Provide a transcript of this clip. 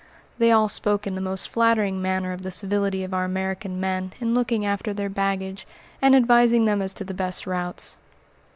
They all spoke in the most flattering manner of the civility of our American men in looking after their baggage and advising them as to the best routes.